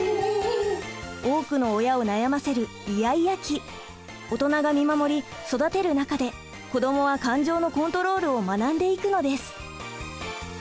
多くの親を悩ませるイヤイヤ期大人が見守り育てる中で子どもは感情のコントロールを学んでいくのです。